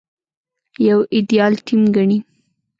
يو ايديال ټيم ګڼي.